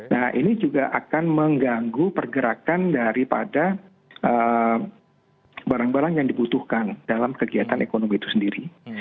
nah ini juga akan mengganggu pergerakan daripada barang barang yang dibutuhkan dalam kegiatan ekonomi itu sendiri